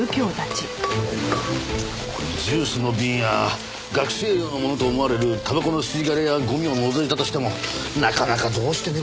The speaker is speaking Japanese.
ジュースの瓶や学生寮のものと思われるタバコの吸い殻やゴミを除いたとしてもなかなかどうして。